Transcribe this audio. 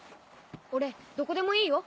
俺どこでもいいよ。